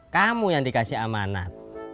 kamu yang dikasih amanat